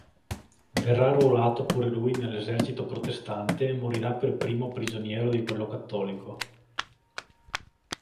Verrà arruolato pure lui nell'esercito protestante e morirà per primo prigioniero di quello cattolico.